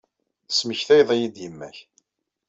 Tesmaktayeḍ-iyi-d yemma-k.